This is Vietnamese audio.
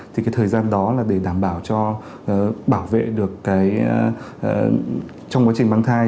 thì cái thời gian đó là để đảm bảo cho bảo vệ được cái trong quá trình mang thai